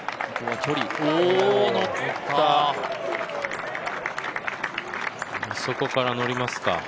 あそこから乗りますか。